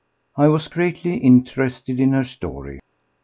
I was greatly interested in her story.